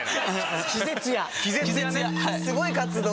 すごい活動。